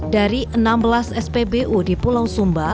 dari enam belas spbu di pulau sumba